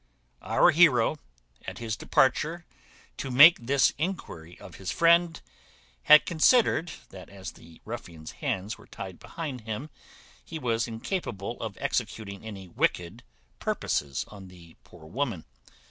Our heroe, at his departure to make this enquiry of his friend, had considered, that as the ruffian's hands were tied behind him, he was incapable of executing any wicked purposes on the poor woman.